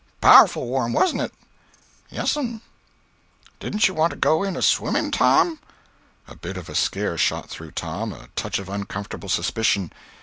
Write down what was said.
"Powerful warm, warn't it?" "Yes'm." "Didn't you want to go in a swimming, Tom?" A bit of a scare shot through Tom—a touch of uncomfortable suspicion.